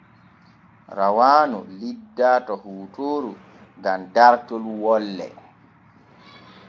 Rawaanu lildaa to hootooru gam dartot wolle.